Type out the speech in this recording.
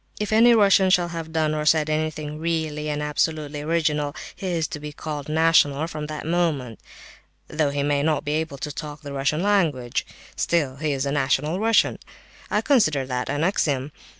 If any Russian shall have done or said anything really and absolutely original, he is to be called national from that moment, though he may not be able to talk the Russian language; still he is a national Russian. I consider that an axiom.